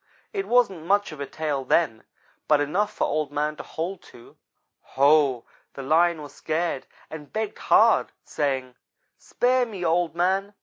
It wasn't much of a tail then, but enough for Old man to hold to. Ho! The Lion was scared and begged hard, saying: "'Spare me, Old man.